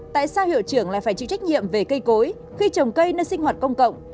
tại sao hiệu trưởng lại phải chịu trách nhiệm về cây cối khi trồng cây nơi sinh hoạt công cộng